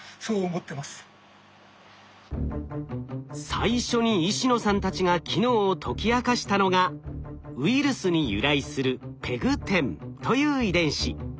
最初に石野さんたちが機能を解き明かしたのがウイルスに由来するＰＥＧ１０という遺伝子。